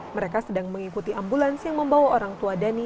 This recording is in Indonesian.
mereka sedang mengikuti ambulans yang membawa orang tua dhani